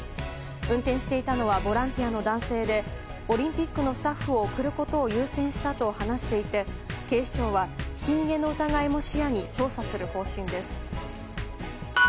運転していたのはボランティアの男性でオリンピックのスタッフを送ることを優先したと話していて警視庁はひき逃げの疑いも視野に捜査する方針です。